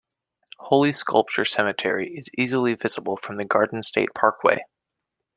Holy Sepulchre Cemetery is easily visible from the Garden State Parkway.